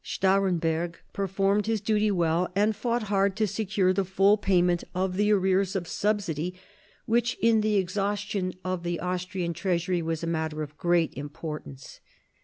Stahremberg per formed this duty well, and fought hard to secure the full payment of the arrears of subsidy which in the exhaustion of the Austrian treasury was a matter of great importance.